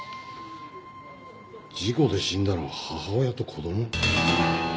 事故で死んだのは母親と子供？